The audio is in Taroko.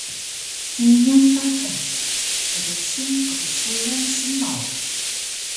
Kingal patas pdsun qbsuran snaw